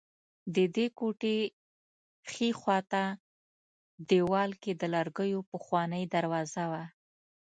ددې کوټې ښي خوا ته دېوال کې د لرګیو پخوانۍ دروازه وه.